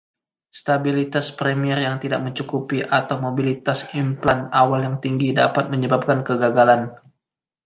Stabilitas primer yang tidak mencukupi, atau mobilitas implan awal yang tinggi, dapat menyebabkan kegagalan.